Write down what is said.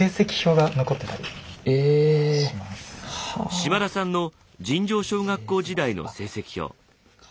島田さんの尋常小学校時代の成績表。